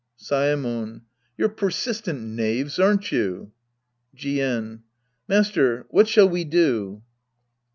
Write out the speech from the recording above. Saemon. You're persistent knaves, aren't you ? Jien. Master, what shall we do